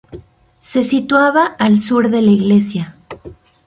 Se situaba al sur de la iglesia.